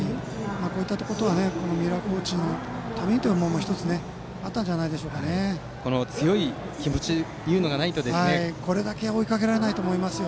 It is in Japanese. こういったところは三浦コーチのためにというのも１つ、あったのでは強い気持ちというのがこれだけ追いかけられないと思いますよ。